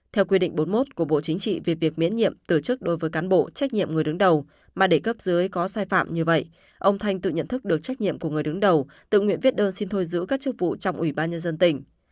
theo quy định bốn mươi một của bộ chính trị về việc miễn nhiệm từ chức đối với cán bộ trách nhiệm người đứng đầu mà để cấp dưới có sai phạm như vậy ông thanh tự nhận thức được trách nhiệm của người đứng đầu tự nguyện viết đơn xin thôi giữ các chức vụ trong ủy ban nhân dân tỉnh